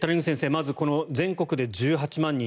まずこの、全国で１８万人